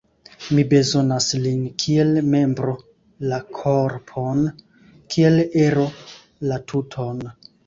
Mi bezonas lin kiel membro la korpon, kiel ero la tuton.